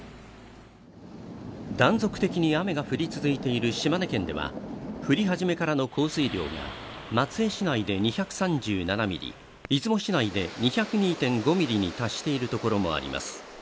断続的に雨が降り続いている島根県では、降り始めからの降水量が松江市内で２３７ミリ、出雲市内で２０２．５ミリに達しているところもあります。